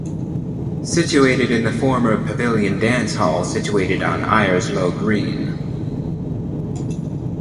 Situated in the former Pavilion dance hall situated on Ayr's Low Green.